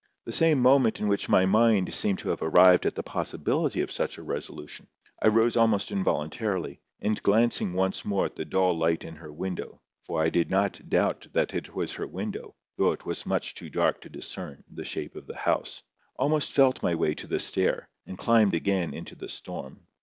The same moment in which my mind seemed to have arrived at the possibility of such a resolution, I rose almost involuntarily, and glancing once more at the dull light in her window—for I did not doubt that it was her window, though it was much too dark to discern, the shape of the house—almost felt my way to the stair, and climbed again into the storm.